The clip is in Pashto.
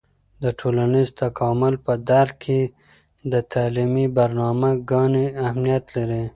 د ټولنیز تکامل په درک کې د تعلیمي برنامه ګانې اهیمت لري.